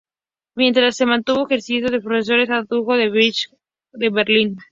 Mientras se mantuvo ejerciendo de profesor adjunto de la Technische Hochschule de Berlin.